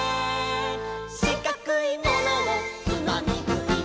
「しかくいものをつまみぐい」